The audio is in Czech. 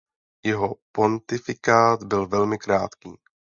Jeho pontifikát byl velmi krátký.